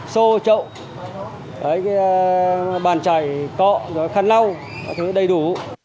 xô trậu bàn chải cọ khăn lau các thứ đầy đủ